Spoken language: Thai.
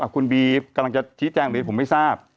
คุณบีกำลังจะชี้แจงหรือผมไม่ทราบ